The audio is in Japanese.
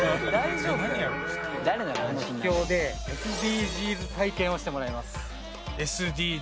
秘境でＳＤＧｓ体験をしてもらいます